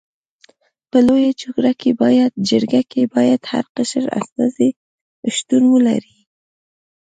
په لويه جرګه کي باید هر قشر استازي شتون ولري.